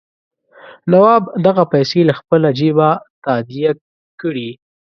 نواب دغه پیسې له خپله جېبه تادیه کړي.